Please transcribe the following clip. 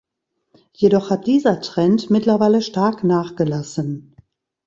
Jedoch hat dieser Trend mittlerweile stark nachgelassen.